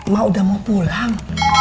mak udah mau pulang